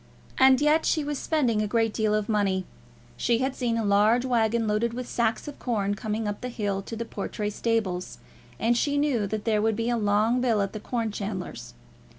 And yet she was spending a great deal of money. She had seen a large waggon loaded with sacks of corn coming up the hill to the Portray stables, and she knew that there would be a long bill at the corn chandler's.